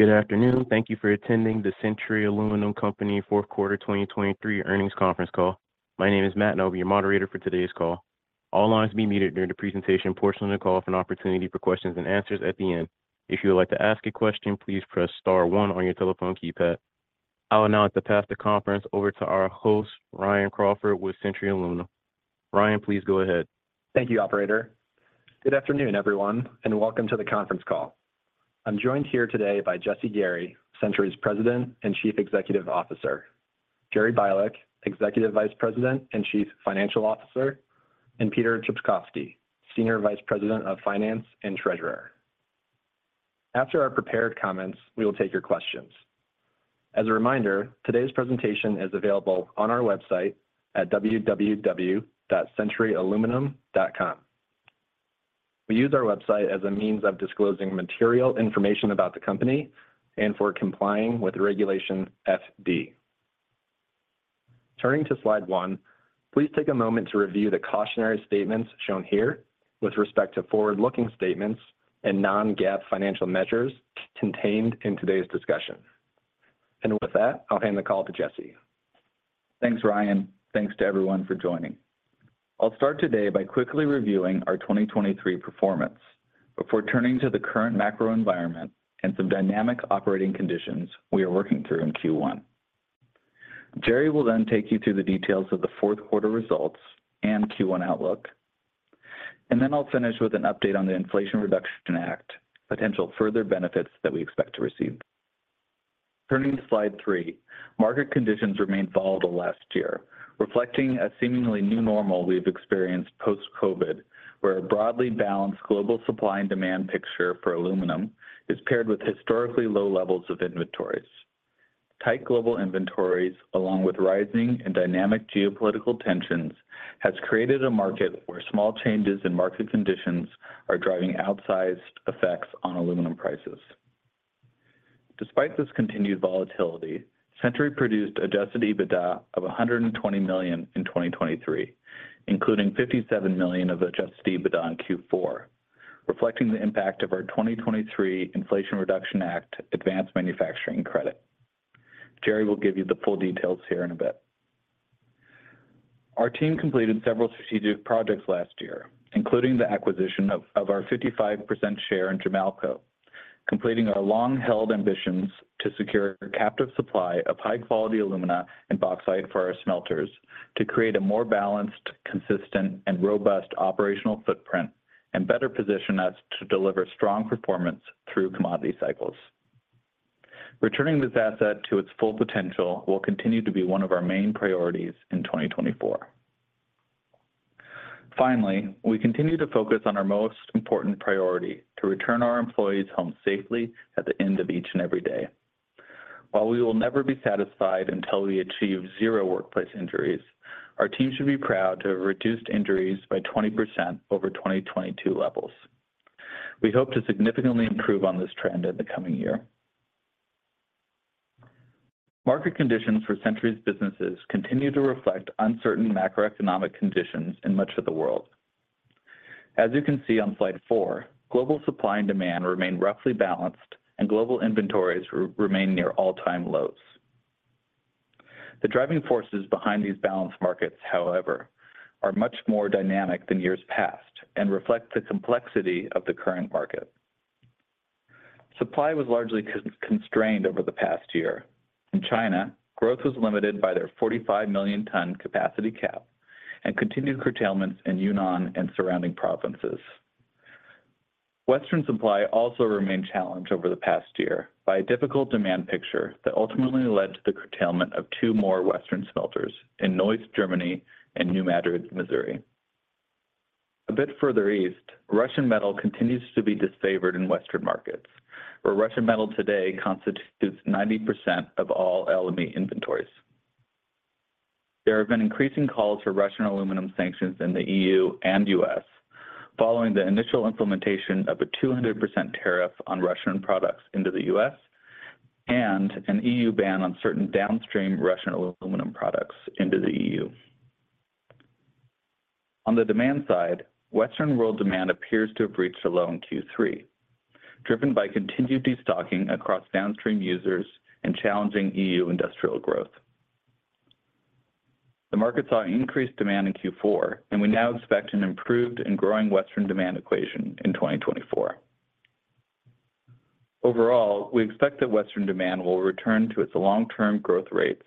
Good afternoon. Thank you for attending the Century Aluminum Company 4th Quarter 2023 Earnings Conference Call. My name is Matt, and I'll be your moderator for today's call. All lines may be muted during the presentation portion of the call for an opportunity for questions and answers at the end. If you would like to ask a question, please press star star on your telephone keypad. I will now have to pass the conference over to our host, Ryan Crawford, with Century Aluminum. Ryan, please go ahead. Thank you, operator. Good afternoon, everyone, and welcome to the conference call. I'm joined here today by Jesse Gary, Century's President and Chief Executive Officer. Jerry Bialek, Executive Vice President and Chief Financial Officer. And Peter Trpkovski, Senior Vice President of Finance and Treasurer. After our prepared comments, we will take your questions. As a reminder, today's presentation is available on our website at www.centuryaluminum.com. We use our website as a means of disclosing material information about the company and for complying with Regulation FD. Turning to slide one, please take a moment to review the cautionary statements shown here with respect to forward-looking statements and non-GAAP financial measures contained in today's discussion. And with that, I'll hand the call to Jesse. Thanks, Ryan. Thanks to everyone for joining. I'll start today by quickly reviewing our 2023 performance before turning to the current macro environment and some dynamic operating conditions we are working through in Q1. Jerry will then take you through the details of the fourth quarter results and Q1 outlook. And then I'll finish with an update on the Inflation Reduction Act potential further benefits that we expect to receive. Turning to slide three, market conditions remain volatile last year, reflecting a seemingly new normal we've experienced post-COVID where a broadly balanced global supply and demand picture for aluminum is paired with historically low levels of inventories. Tight global inventories, along with rising and dynamic geopolitical tensions, have created a market where small changes in market conditions are driving outsized effects on aluminum prices. Despite this continued volatility, Century produced adjusted EBITDA of $120 million in 2023, including $57 million of adjusted EBITDA in Q4, reflecting the impact of our 2023 Inflation Reduction Act Advanced Manufacturing Credit. Jerry will give you the full details here in a bit. Our team completed several strategic projects last year, including the acquisition of our 55% share in Jamalco, completing our long-held ambitions to secure captive supply of high-quality alumina and bauxite for our smelters to create a more balanced, consistent, and robust operational footprint and better position us to deliver strong performance through commodity cycles. Returning this asset to its full potential will continue to be one of our main priorities in 2024. Finally, we continue to focus on our most important priority to return our employees home safely at the end of each and every day. While we will never be satisfied until we achieve zero workplace injuries, our team should be proud to have reduced injuries by 20% over 2022 levels. We hope to significantly improve on this trend in the coming year. Market conditions for Century's businesses continue to reflect uncertain macroeconomic conditions in much of the world. As you can see on slide four, global supply and demand remain roughly balanced and global inventories remain near all-time lows. The driving forces behind these balanced markets, however, are much more dynamic than years past and reflect the complexity of the current market. Supply was largely constrained over the past year. In China, growth was limited by their 45 million ton capacity cap and continued curtailments in Yunnan and surrounding provinces. Western supply also remained challenged over the past year by a difficult demand picture that ultimately led to the curtailment of two more Western smelters in Neuss, Germany, and New Madrid, Missouri. A bit further east, Russian metal continues to be disfavored in Western markets, where Russian metal today constitutes 90% of all LME inventories. There have been increasing calls for Russian aluminum sanctions in the EU and U.S. following the initial implementation of a 200% tariff on Russian products into the U.S. and an EU ban on certain downstream Russian aluminum products into the EU. On the demand side, Western world demand appears to have reached a low Q3, driven by continued destocking across downstream users and challenging EU industrial growth. The market saw increased demand in Q4, and we now expect an improved and growing Western demand equation in 2024. Overall, we expect that Western demand will return to its long-term growth rates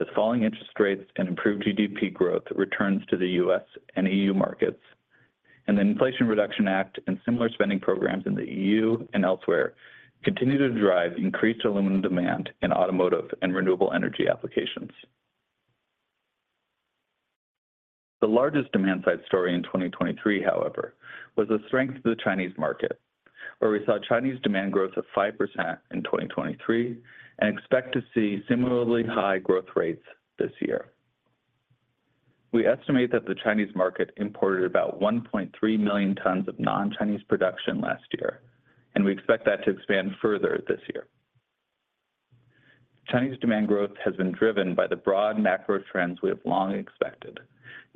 as falling interest rates and improved GDP growth returns to the U.S. and EU markets. The Inflation Reduction Act and similar spending programs in the EU and elsewhere continue to drive increased aluminum demand in automotive and renewable energy applications. The largest demand side story in 2023, however, was the strength of the Chinese market, where we saw Chinese demand growth of 5% in 2023 and expect to see similarly high growth rates this year. We estimate that the Chinese market imported about 1.3 million tons of non-Chinese production last year, and we expect that to expand further this year. Chinese demand growth has been driven by the broad macro trends we have long expected,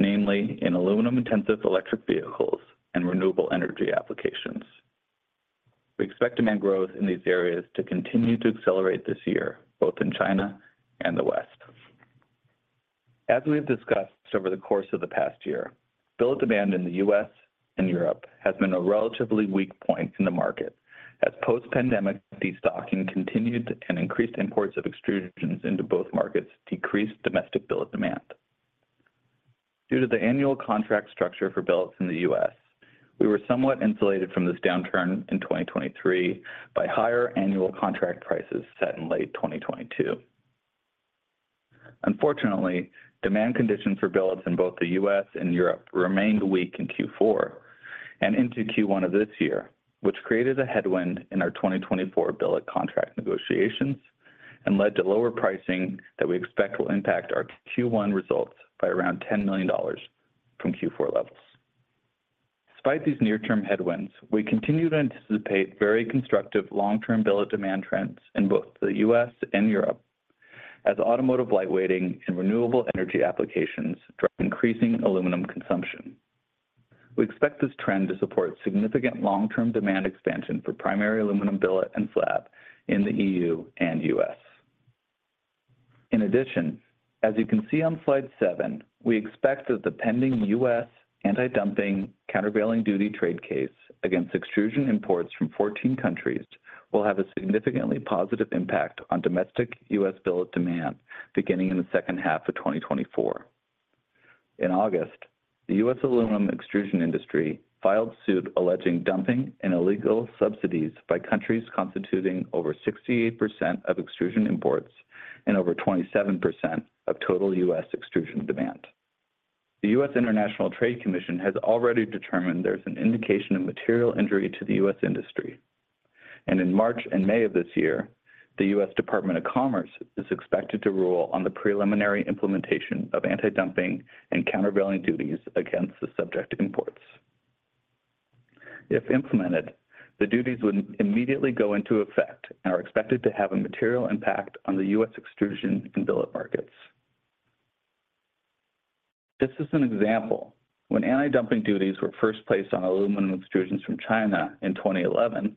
namely in aluminum-intensive electric vehicles and renewable energy applications. We expect demand growth in these areas to continue to accelerate this year, both in China and the West. As we've discussed over the course of the past year, billet demand in the U.S. and Europe has been a relatively weak point in the market as post-pandemic destocking continued and increased imports of extrusions into both markets decreased domestic billet demand. Due to the annual contract structure for billets in the U.S., we were somewhat insulated from this downturn in 2023 by higher annual contract prices set in late 2022. Unfortunately, demand conditions for billets in both the U.S. and Europe remained weak in Q4 and into Q1 of this year, which created a headwind in our 2024 billet contract negotiations and led to lower pricing that we expect will impact our Q1 results by around $10 million from Q4 levels. Despite these near-term headwinds, we continue to anticipate very constructive long-term billet demand trends in both the U.S. and Europe as automotive lightweighting and renewable energy applications drive increasing aluminum consumption. We expect this trend to support significant long-term demand expansion for primary aluminum billet and slab in the EU and U.S. In addition, as you can see on slide seven, we expect that the pending U.S. anti-dumping countervailing duty trade case against extrusion imports from 14 countries will have a significantly positive impact on domestic U.S. billet demand beginning in the second half of 2024. In August, the U.S. aluminum extrusion industry filed suit alleging dumping and illegal subsidies by countries constituting over 68% of extrusion imports and over 27% of total U.S. extrusion demand. The U.S. International Trade Commission has already determined there's an indication of material injury to the U.S. industry. In March and May of this year, the U.S. Department of Commerce is expected to rule on the preliminary implementation of anti-dumping and countervailing duties against the subject imports. If implemented, the duties would immediately go into effect and are expected to have a material impact on the U.S. extrusion and billet markets. This is an example. When anti-dumping duties were first placed on aluminum extrusions from China in 2011,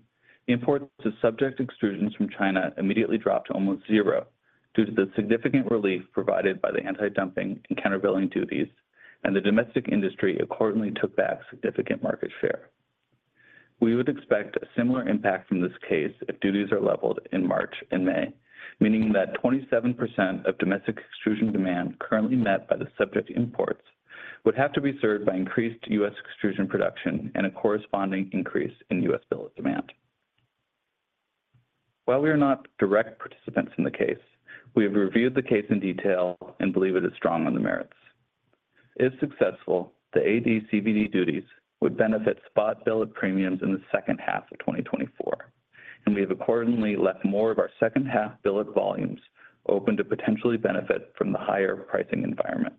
the imports of subject extrusions from China immediately dropped to almost zero due to the significant relief provided by the anti-dumping and countervailing duties, and the domestic industry accordingly took back significant market share. We would expect a similar impact from this case if duties are levied in March and May, meaning that 27% of domestic extrusion demand currently met by the subject imports would have to be served by increased U.S. extrusion production and a corresponding increase in U.S. billet demand. While we are not direct participants in the case, we have reviewed the case in detail and believe it is strong on the merits. If successful, the AD/CVD duties would benefit spot billet premiums in the second half of 2024. We have accordingly left more of our second half billet volumes open to potentially benefit from the higher pricing environment.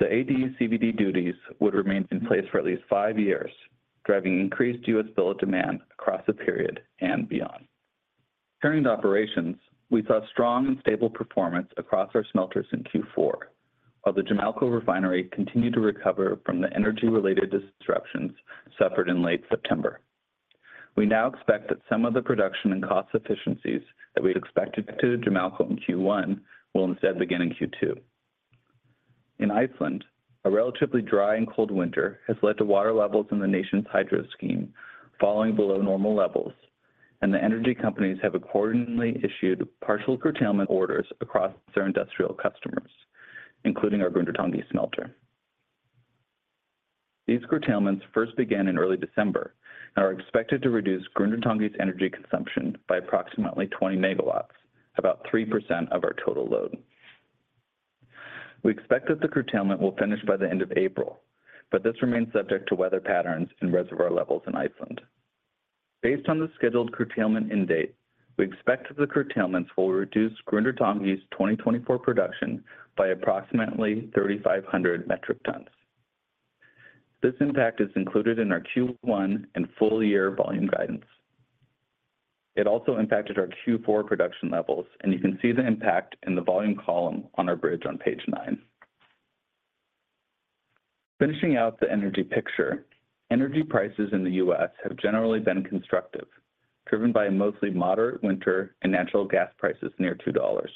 The AD/CVD duties would remain in place for at least five years, driving increased U.S. billet demand across the period and beyond. Turning to operations, we saw strong and stable performance across our smelters in Q4, while the Jamalco refinery continued to recover from the energy-related disruptions suffered in late September. We now expect that some of the production and cost efficiencies that we expected to Jamalco in Q1 will instead begin in Q2. In Iceland, a relatively dry and cold winter has led to water levels in the nation's hydro scheme falling below normal levels. And the energy companies have accordingly issued partial curtailment orders across their industrial customers, including our Grundartangi smelter. These curtailments first began in early December and are expected to reduce Grundartangi's energy consumption by approximately 20 MW, about 3% of our total load. We expect that the curtailment will finish by the end of April, but this remains subject to weather patterns and reservoir levels in Iceland. Based on the scheduled curtailment date, we expect that the curtailments will reduce Grundartangi's 2024 production by approximately 3,500 metric tons. This impact is included in our Q1 and full year volume guidance. It also impacted our Q4 production levels, and you can see the impact in the volume column on our bridge on page nine. Finishing out the energy picture, energy prices in the U.S. have generally been constructive, driven by a mostly moderate winter and natural gas prices near $2.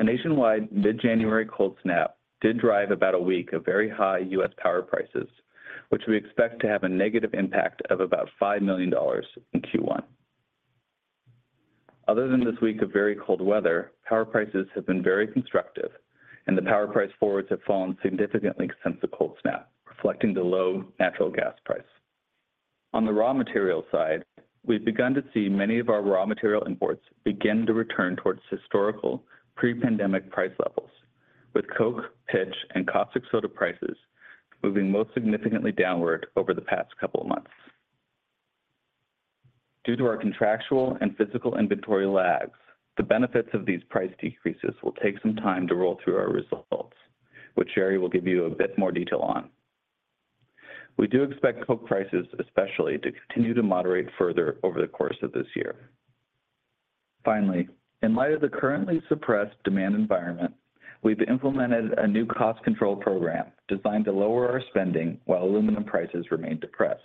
A nationwide mid-January cold snap did drive about a week of very high U.S. power prices, which we expect to have a negative impact of about $5 million in Q1. Other than this week of very cold weather, power prices have been very constructive, and the power price forwards have fallen significantly since the cold snap, reflecting the low natural gas price. On the raw materials side, we've begun to see many of our raw material imports begin to return towards historical pre-pandemic price levels, with coke, pitch, and caustic soda prices moving most significantly downward over the past couple of months. Due to our contractual and physical inventory lags, the benefits of these price decreases will take some time to roll through our results, which Jerry will give you a bit more detail on. We do expect coke prices especially to continue to moderate further over the course of this year. Finally, in light of the currently suppressed demand environment, we've implemented a new cost control program designed to lower our spending while aluminum prices remain depressed.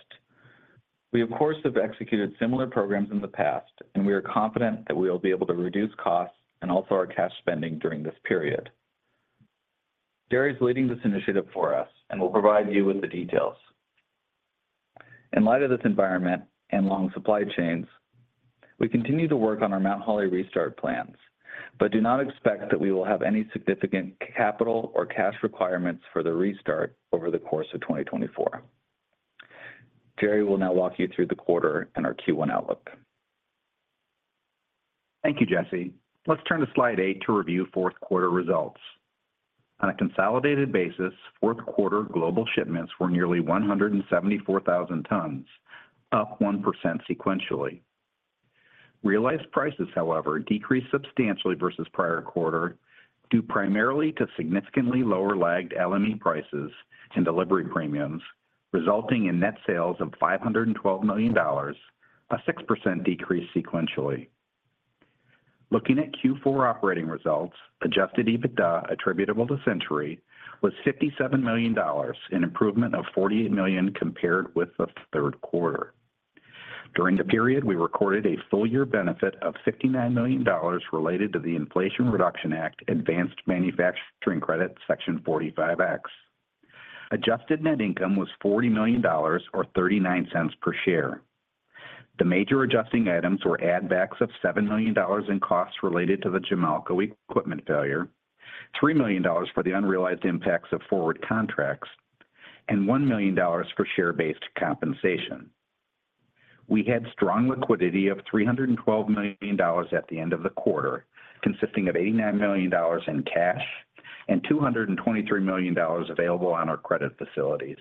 We, of course, have executed similar programs in the past, and we are confident that we will be able to reduce costs and also our cash spending during this period. Jerry's leading this initiative for us and will provide you with the details. In light of this environment and long supply chains, we continue to work on our Mount Holly restart plans, but do not expect that we will have any significant capital or cash requirements for the restart over the course of 2024. Jerry will now walk you through the quarter and our Q1 outlook. Thank you, Jesse. Let's turn to slide eight to review fourth quarter results. On a consolidated basis, fourth quarter global shipments were nearly 174,000 tons, up 1% sequentially. Realized prices, however, decreased substantially versus prior quarter due primarily to significantly lower lagged LME prices and delivery premiums, resulting in net sales of $512 million, a 6% decrease sequentially. Looking at Q4 operating results, Adjusted EBITDA attributable to Century was $57 million, an improvement of $48 million compared with the third quarter. During the period, we recorded a full year benefit of $59 million related to the Inflation Reduction Act Advanced Manufacturing Credit Section 45X. Adjusted net income was $40 million or $0.39 per share. The major adjusting items were add-backs of $7 million in costs related to the Jamalco equipment failure, $3 million for the unrealized impacts of forward contracts, and $1 million for share-based compensation. We had strong liquidity of $312 million at the end of the quarter, consisting of $89 million in cash and $223 million available on our credit facilities.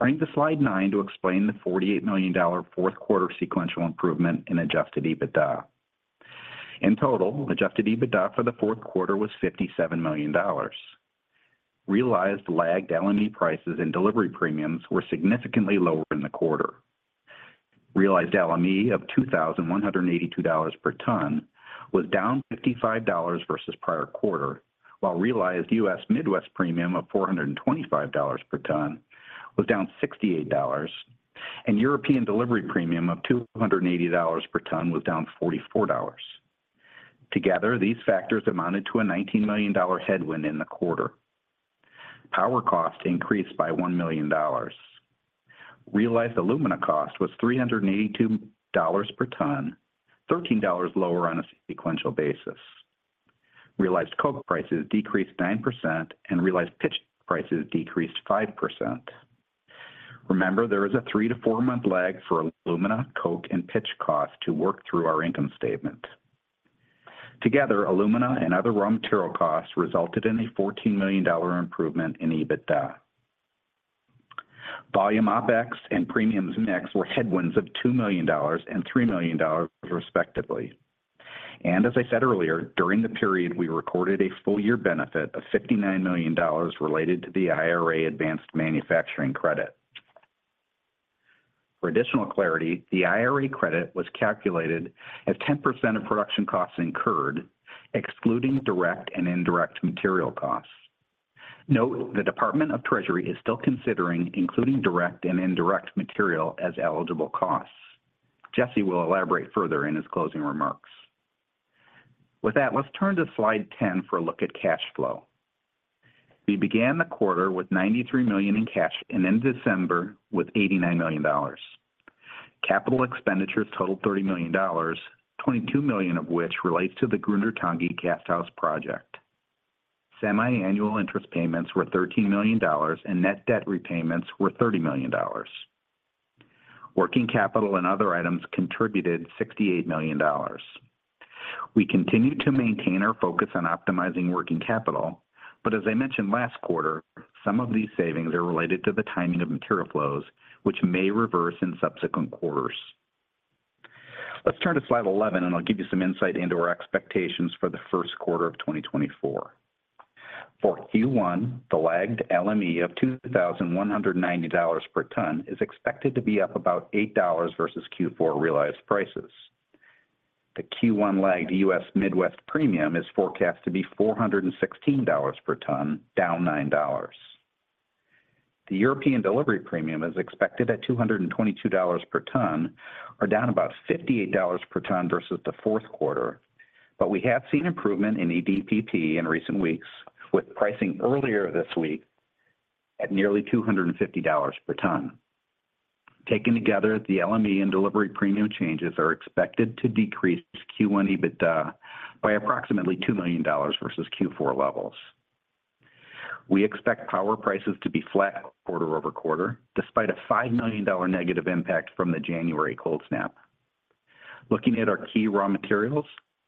Turning to slide nine to explain the $48 million fourth quarter sequential improvement in adjusted EBITDA. In total, adjusted EBITDA for the fourth quarter was $57 million. Realized lagged LME prices and delivery premiums were significantly lower in the quarter. Realized LME of $2,182 per ton was down $55 versus prior quarter, while realized U.S. Midwest premium of $425 per ton was down $68, and European delivery premium of $280 per ton was down $44. Together, these factors amounted to a $19 million headwind in the quarter. Power cost increased by $1 million. Realized alumina cost was $382 per ton, $13 lower on a sequential basis. Realized coke prices decreased 9% and realized pitch prices decreased 5%. Remember, there is a three-to-four-month lag for alumina, coke, and pitch costs to work through our income statement. Together, alumina and other raw material costs resulted in a $14 million improvement in EBITDA. Volume OpEx and premiums mix were headwinds of $2 million and $3 million, respectively. As I said earlier, during the period, we recorded a full year benefit of $59 million related to the IRA Advanced Manufacturing Credit. For additional clarity, the IRA credit was calculated as 10% of production costs incurred, excluding direct and indirect material costs. Note the Department of the Treasury is still considering including direct and indirect material as eligible costs. Jesse will elaborate further in his closing remarks. With that, let's turn to slide 10 for a look at cash flow. We began the quarter with $93 million in cash and ended December with $89 million. Capital expenditures totaled $30 million, $22 million of which relates to the Grundartangi Casthouse project. Semi-annual interest payments were $13 million and net debt repayments were $30 million. Working capital and other items contributed $68 million. We continue to maintain our focus on optimizing working capital, but as I mentioned last quarter, some of these savings are related to the timing of material flows, which may reverse in subsequent quarters. Let's turn to slide 11 and I'll give you some insight into our expectations for the first quarter of 2024. For Q1, the lagged LME of $2,190 per ton is expected to be up about $8 versus Q4 realized prices. The Q1 lagged U.S. Midwest premium is forecast to be $416 per ton, down $9. The European Delivery Premium is expected at $222 per ton, or down about $58 per ton versus the fourth quarter. But we have seen improvement in EDP in recent weeks, with pricing earlier this week at nearly $250 per ton. Taken together, the LME and delivery premium changes are expected to decrease Q1 EBITDA by approximately $2 million versus Q4 levels. We expect power prices to be flat quarter-over-quarter, despite a $5 million negative impact from the January cold snap. Looking at our key raw materials,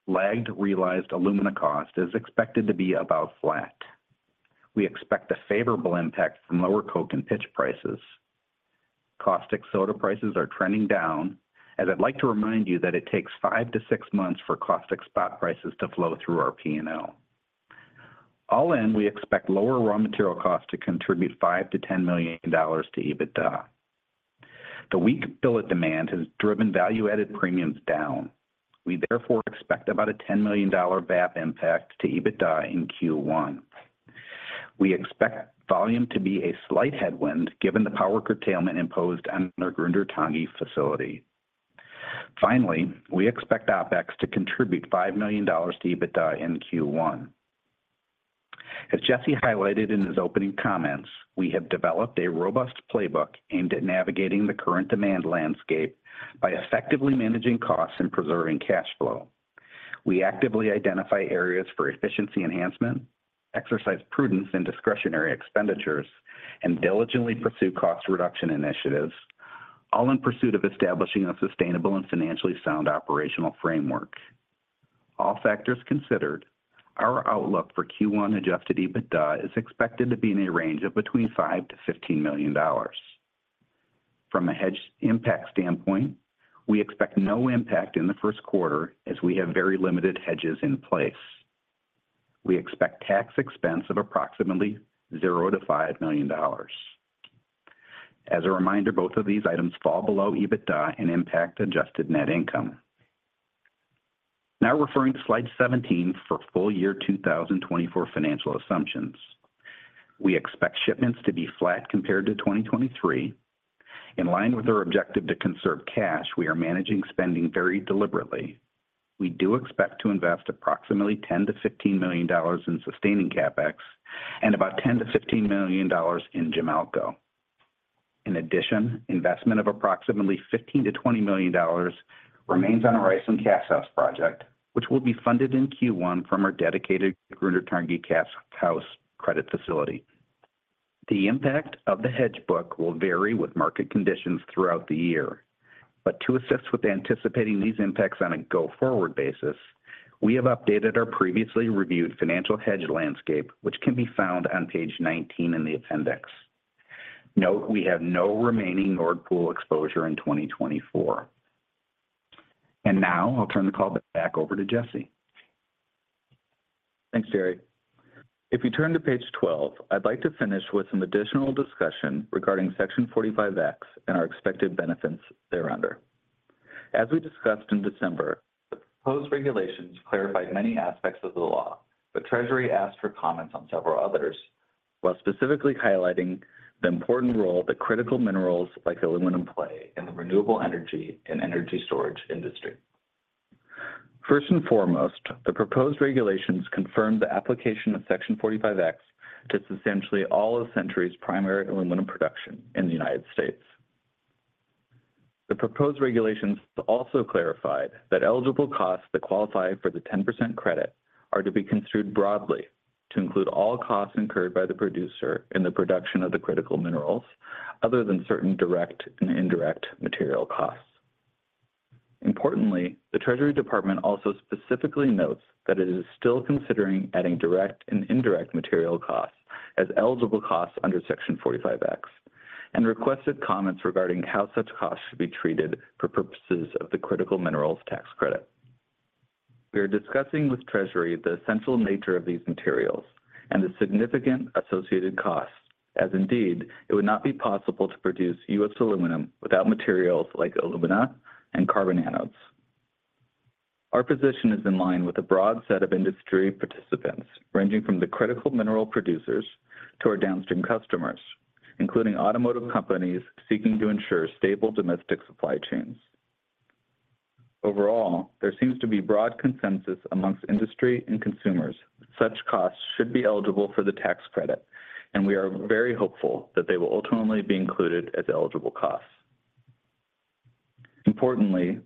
lagged realized alumina cost is expected to be about flat. We expect a favorable impact from lower coke and pitch prices. Caustic soda prices are trending down, as I'd like to remind you that it takes five to six months for Caustic spot prices to flow through our P&L. All in, we expect lower raw material costs to contribute $5 million-$10 million to EBITDA. The weak billet demand has driven value-added premiums down. We therefore expect about a $10 million VAP impact to EBITDA in Q1. We expect volume to be a slight headwind given the power curtailment imposed on our Grundartangi facility. Finally, we expect OpEx to contribute $5 million to EBITDA in Q1. As Jesse highlighted in his opening comments, we have developed a robust playbook aimed at navigating the current demand landscape by effectively managing costs and preserving cash flow. We actively identify areas for efficiency enhancement, exercise prudence and discretionary expenditures, and diligently pursue cost reduction initiatives, all in pursuit of establishing a sustainable and financially sound operational framework. All factors considered, our outlook for Q1 adjusted EBITDA is expected to be in a range of between $5 million-$15 million. From a hedge impact standpoint, we expect no impact in the first quarter as we have very limited hedges in place. We expect tax expense of approximately $0 million-$5 million. As a reminder, both of these items fall below EBITDA and impact adjusted net income. Now referring to slide 17 for full year 2024 financial assumptions. We expect shipments to be flat compared to 2023. In line with our objective to conserve cash, we are managing spending very deliberately. We do expect to invest approximately $10 million-$15 million in sustaining CapEx and about $10 million-$15 million in Jamalco. In addition, investment of approximately $15 million-$20 million remains on our Iceland Casthouse project, which will be funded in Q1 from our dedicated Grundartangi Casthouse credit facility. The impact of the hedge book will vary with market conditions throughout the year. But to assist with anticipating these impacts on a go-forward basis, we have updated our previously reviewed financial hedge landscape, which can be found on page 19 in the appendix. Note, we have no remaining Nord Pool exposure in 2024. Now I'll turn the call back over to Jesse. Thanks, Jerry. If you turn to page 12, I'd like to finish with some additional discussion regarding Section 45X and our expected benefits thereunder. As we discussed in December, the proposed regulations clarified many aspects of the law, but Treasury asked for comments on several others, while specifically highlighting the important role that critical minerals like aluminum play in the renewable energy and energy storage industry. First and foremost, the proposed regulations confirmed the application of Section 45X to substantially all of Century's primary aluminum production in the United States. The proposed regulations also clarified that eligible costs that qualify for the 10% credit are to be construed broadly to include all costs incurred by the producer in the production of the critical minerals, other than certain direct and indirect material costs. Importantly, the Treasury Department also specifically notes that it is still considering adding direct and indirect material costs as eligible costs under Section 45X, and requested comments regarding how such costs should be treated for purposes of the critical minerals tax credit. We are discussing with Treasury the essential nature of these materials and the significant associated costs, as indeed, it would not be possible to produce U.S. aluminum without materials like alumina and carbon anodes. Our position is in line with a broad set of industry participants, ranging from the critical mineral producers to our downstream customers, including automotive companies seeking to ensure stable domestic supply chains. Overall, there seems to be broad consensus among industry and consumers that such costs should be eligible for the tax credit, and we are very hopeful that they will ultimately be included as eligible costs. Importantly,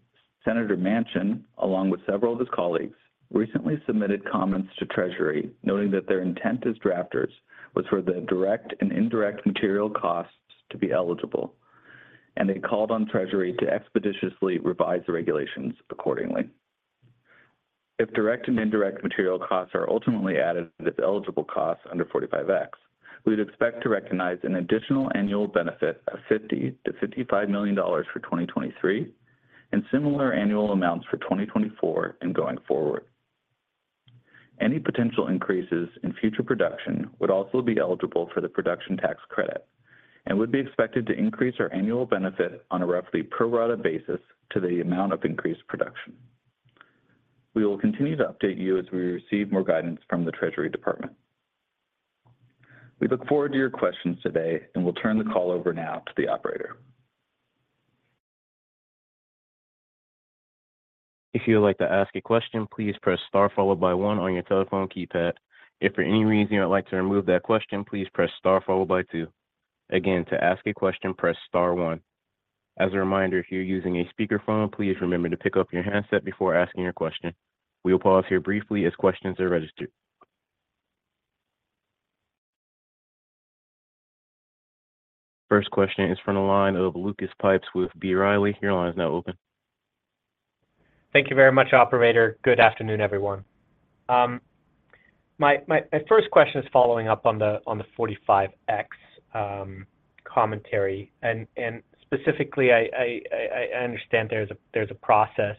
Senator Manchin, along with several of his colleagues, recently submitted comments to Treasury noting that their intent as drafters was for the direct and indirect material costs to be eligible. They called on Treasury to expeditiously revise the regulations accordingly. If direct and indirect material costs are ultimately added as eligible costs under 45X, we would expect to recognize an additional annual benefit of $50 million-$55 million for 2023, and similar annual amounts for 2024 and going forward. Any potential increases in future production would also be eligible for the production tax credit, and would be expected to increase our annual benefit on a roughly prorata basis to the amount of increased production. We will continue to update you as we receive more guidance from the Treasury Department. We look forward to your questions today, and we'll turn the call over now to the operator. If you would like to ask a question, please press star followed by one on your telephone keypad. If for any reason you would like to remove that question, please press star followed by two. Again, to ask a question, press star one. As a reminder, if you're using a speakerphone, please remember to pick up your handset before asking your question. We will pause here briefly as questions are registered. First question is from the line of Lucas Pipes with B. Riley. Your line is now open. Thank you very much, operator. Good afternoon, everyone. My first question is following up on the 45X commentary. And specifically, I understand there's a process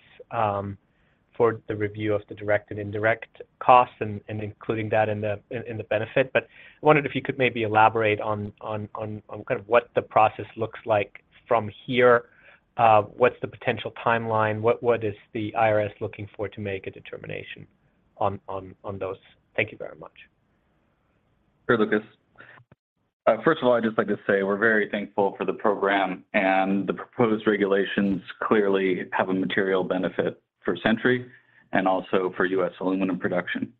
for the review of the direct and indirect costs and including that in the benefit. But I wondered if you could maybe elaborate on kind of what the process looks like from here. What's the potential timeline? What is the IRS looking for to make a determination on those? Thank you very much. Sure, Lucas. First of all, I'd just like to say we're very thankful for the program, and the proposed regulations clearly have a material benefit for Century and also for U.S. aluminum production.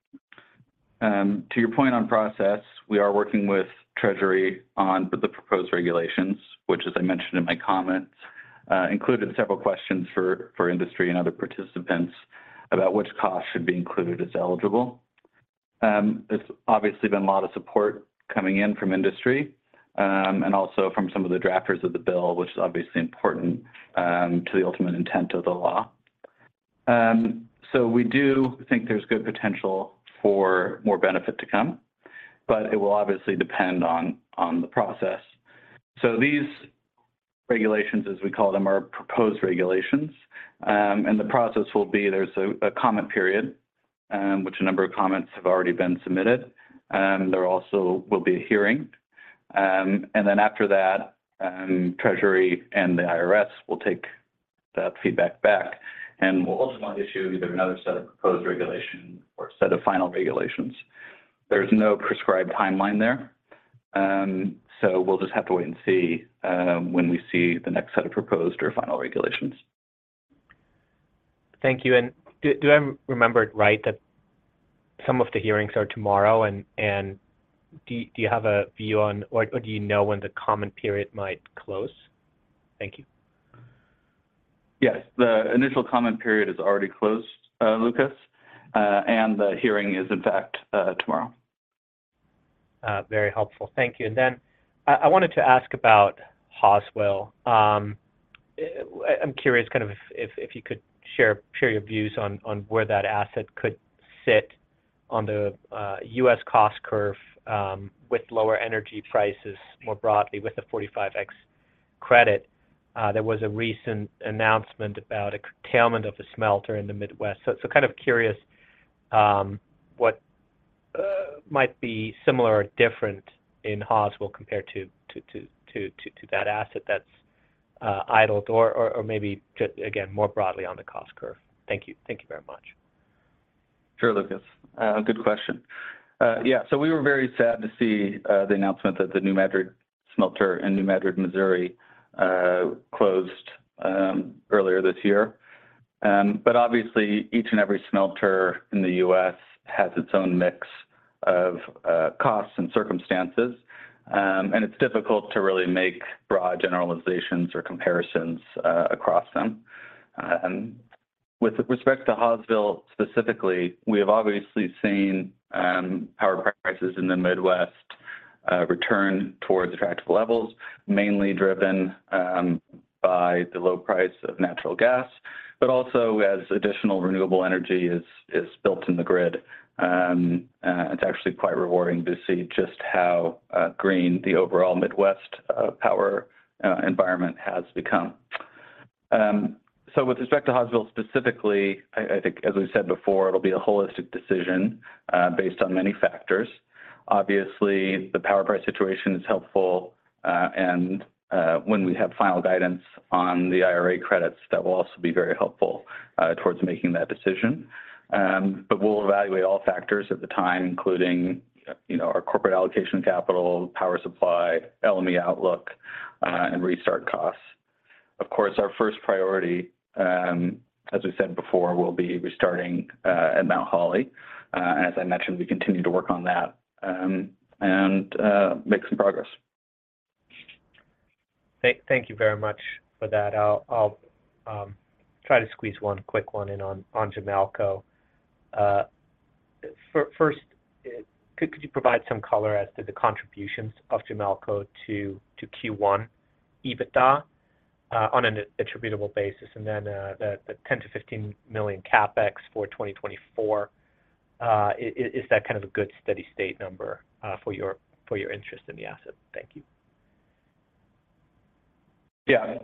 To your point on process, we are working with Treasury on the proposed regulations, which, as I mentioned in my comments, included several questions for industry and other participants about which costs should be included as eligible. There's obviously been a lot of support coming in from industry and also from some of the drafters of the bill, which is obviously important to the ultimate intent of the law. So we do think there's good potential for more benefit to come, but it will obviously depend on the process. So these regulations, as we call them, are proposed regulations. The process will be there's a comment period, which a number of comments have already been submitted. There also will be a hearing. Then after that, Treasury and the IRS will take that feedback back and will ultimately issue either another set of proposed regulations or a set of final regulations. There's no prescribed timeline there. We'll just have to wait and see when we see the next set of proposed or final regulations. Thank you. Do I remember it right that some of the hearings are tomorrow? Do you have a view on or do you know when the comment period might close? Thank you. Yes, the initial comment period is already closed, Lucas. The hearing is, in fact, tomorrow. Very helpful. Thank you. Then I wanted to ask about Hawesville. I'm curious kind of if you could share your views on where that asset could sit on the U.S. cost curve with lower energy prices more broadly with the 45X credit. There was a recent announcement about a curtailment of a smelter in the Midwest. So kind of curious what might be similar or different in Hawesville compared to that asset that's idled or maybe, again, more broadly on the cost curve. Thank you. Thank you very much. Sure, Lucas. Good question. Yeah, so we were very sad to see the announcement that the New Madrid smelter in New Madrid, Missouri, closed earlier this year. But obviously, each and every smelter in the U.S. has its own mix of costs and circumstances. And it's difficult to really make broad generalizations or comparisons across them. With respect to Hawesville specifically, we have obviously seen power prices in the Midwest return towards attractive levels, mainly driven by the low price of natural gas, but also as additional renewable energy is built in the grid. It's actually quite rewarding to see just how green the overall Midwest power environment has become. So with respect to Hawesville specifically, I think, as we said before, it'll be a holistic decision based on many factors. Obviously, the power price situation is helpful. And when we have final guidance on the IRA credits, that will also be very helpful towards making that decision. But we'll evaluate all factors at the time, including our corporate allocation capital, power supply, LME outlook, and restart costs. Of course, our first priority, as we said before, will be restarting at Mount Holly. As I mentioned, we continue to work on that and make some progress. Thank you very much for that. I'll try to squeeze one quick one in on Jamalco. First, could you provide some color as to the contributions of Jamalco to Q1 EBITDA on an attributable basis? And then the $10 million-$15 million CapEx for 2024, is that kind of a good steady state number for your interest in the asset? Thank you. Yeah.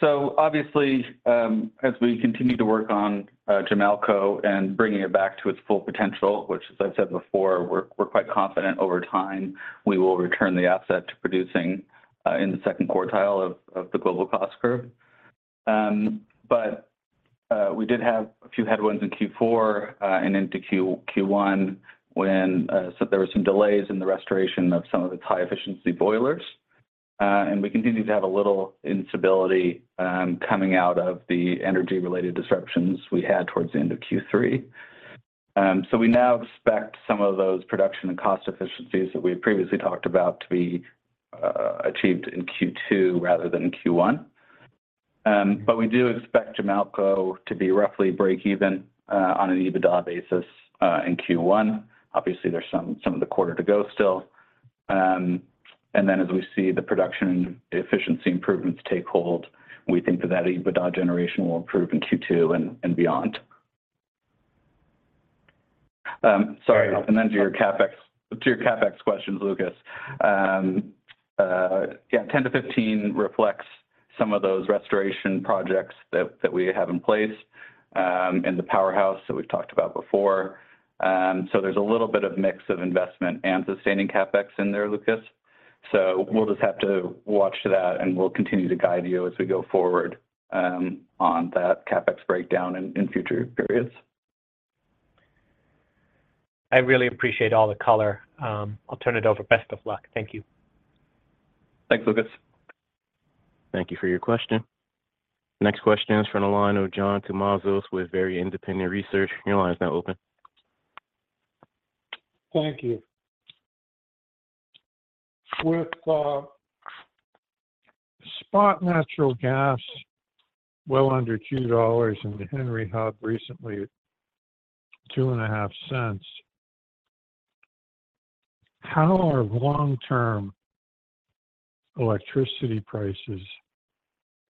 So obviously, as we continue to work on Jamalco and bringing it back to its full potential, which, as I've said before, we're quite confident over time we will return the asset to producing in the second quartile of the global cost curve. But we did have a few headwinds in Q4 and into Q1 when there were some delays in the restoration of some of its high-efficiency boilers. And we continue to have a little instability coming out of the energy-related disruptions we had towards the end of Q3. So we now expect some of those production and cost efficiencies that we had previously talked about to be achieved in Q2 rather than Q1. But we do expect Jamalco to be roughly break-even on an EBITDA basis in Q1. Obviously, there's some of the quarter to go still. And then as we see the production and efficiency improvements take hold, we think that that EBITDA generation will improve in Q2 and beyond. Sorry. And then to your CapEx questions, Lucas. Yeah, $10-$15 reflects some of those restoration projects that we have in place in the powerhouse that we've talked about before. So there's a little bit of mix of investment and sustaining CapEx in there, Lucas. We'll just have to watch that, and we'll continue to guide you as we go forward on that CapEx breakdown in future periods. I really appreciate all the color. I'll turn it over. Best of luck. Thank you. Thanks, Lucas. Thank you for your question. Next question is from the line of John Tumazos with Very Independent Research. Your line is now open. Thank you. With spot natural gas well under $2 and the Henry Hub recently at $0.025, how are long-term electricity prices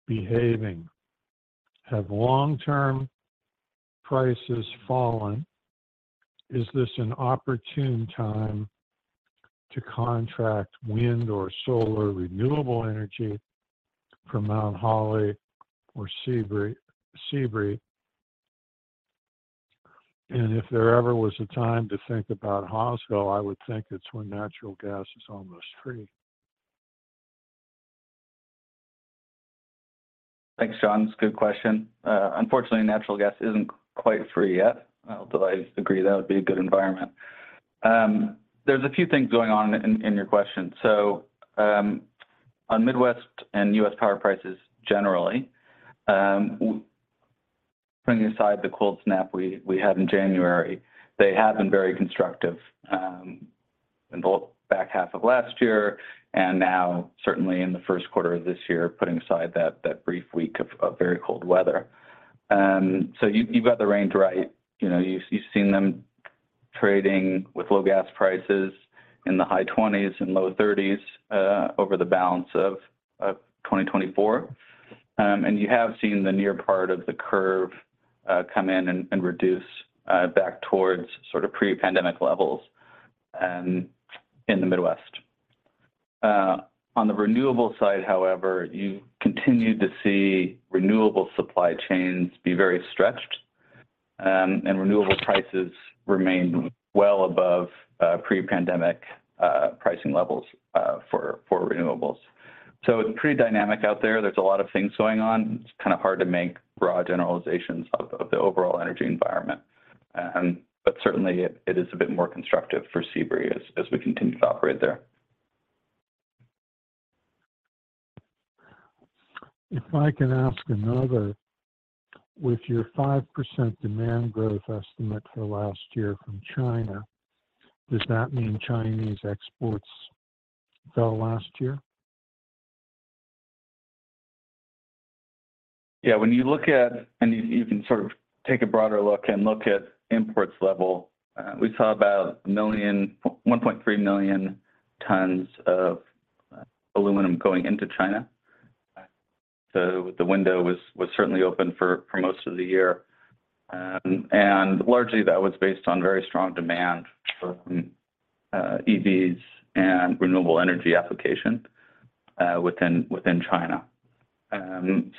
behaving? Have long-term prices fallen? Is this an opportune time to contract wind or solar renewable energy from Mount Holly or Sebree? And if there ever was a time to think about Hawesville, I would think it's when natural gas is almost free. Thanks, John. It's a good question. Unfortunately, natural gas isn't quite free yet. Although I agree that would be a good environment. There's a few things going on in your question. So on Midwest and U.S. power prices generally, putting aside the cold snap we had in January, they have been very constructive in the back half of last year and now certainly in the first quarter of this year, putting aside that brief week of very cold weather. So you've got the range right. You've seen them trading with low gas prices in the high 20s and low 30s over the balance of 2024. And you have seen the near part of the curve come in and reduce back towards sort of pre-pandemic levels in the Midwest. On the renewable side, however, you continue to see renewable supply chains be very stretched. And renewable prices remain well above pre-pandemic pricing levels for renewables. So it's pretty dynamic out there. There's a lot of things going on. It's kind of hard to make broad generalizations of the overall energy environment. But certainly, it is a bit more constructive for Sebree as we continue to operate there. If I can ask another, with your 5% demand growth estimate for last year from China, does that mean Chinese exports fell last year? Yeah, when you look at and you can sort of take a broader look and look at imports level, we saw about 1.3 million tons of aluminum going into China. So the window was certainly open for most of the year. And largely, that was based on very strong demand from EVs and renewable energy application within China.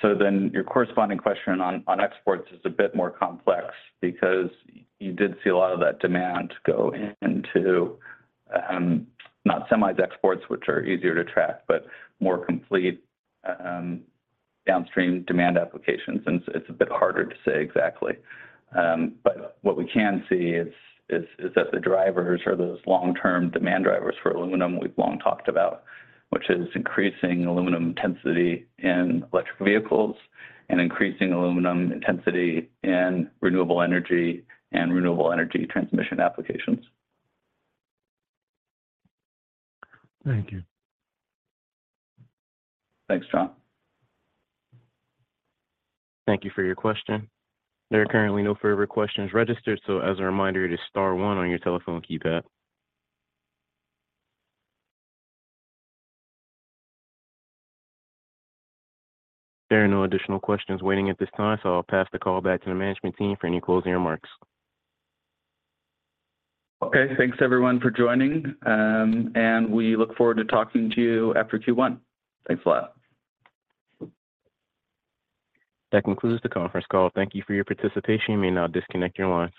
So then your corresponding question on exports is a bit more complex because you did see a lot of that demand go into not semi-exports, which are easier to track, but more complete downstream demand applications. And it's a bit harder to say exactly. But what we can see is that the drivers are those long-term demand drivers for aluminum we've long talked about, which is increasing aluminum intensity in electric vehicles and increasing aluminum intensity in renewable energy and renewable energy transmission applications. Thank you. Thanks, John. Thank you for your question. There are currently no further questions registered. So as a reminder, it is star one on your telephone keypad. There are no additional questions waiting at this time, so I'll pass the call back to the management team for any closing remarks. Okay. Thanks, everyone, for joining. And we look forward to talking to you after Q1. Thanks a lot. That concludes the conference call. Thank you for your participation. You may now disconnect your line.